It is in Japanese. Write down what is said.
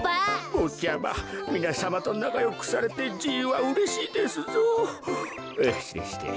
ぼっちゃまみなさまとなかよくされてじいはうれしいですぞ。